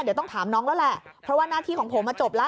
เดี๋ยวต้องถามน้องแล้วแหละเพราะว่าหน้าที่ของผมจบแล้ว